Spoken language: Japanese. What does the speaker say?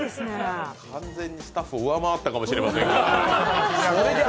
完全にスタッフを上回ったかもしれませんが。